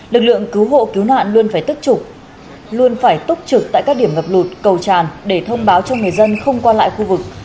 lực lượng cứu hộ cứu nạn luôn phải tức luôn phải túc trực tại các điểm ngập lụt cầu tràn để thông báo cho người dân không qua lại khu vực